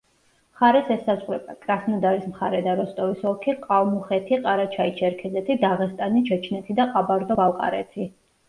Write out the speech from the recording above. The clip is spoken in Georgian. მხარეს ესაზღვრება: კრასნოდარის მხარე და როსტოვის ოლქი, ყალმუხეთი, ყარაჩაი-ჩერქეზეთი, დაღესტანი, ჩეჩნეთი და ყაბარდო-ბალყარეთი.